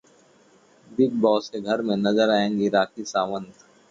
‘big Boss’ के घर में नजर आएंगी राखी सावंत